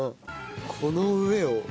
この上を。